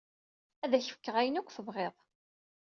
Ad ak-d-fkeɣ ayen akk tebɣiḍ.